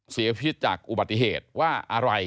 เสียชีวิตจากอุบัติเหตุว่าอะไร